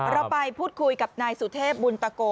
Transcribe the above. เราไปพูดคุยกับนายสุเทพบุญตะโก